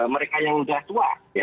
mereka yang sudah tua